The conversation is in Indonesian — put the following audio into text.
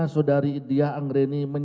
saudari dia angreni menyampaikan